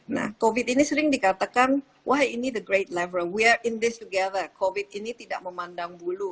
nah covid ini sering dikatakan wah ini the great level we are in this together covid ini tidak memandang bulu